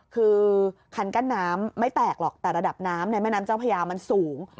คือคันกั้นน้ำไม่แตกหรอกแต่ระดับน้ำในแม่น้ำเจ้าพญามันสูง